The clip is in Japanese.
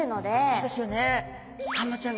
そうですよね。